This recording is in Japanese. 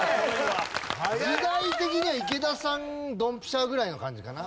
時代的には池田さんドンピシャぐらいの感じかな？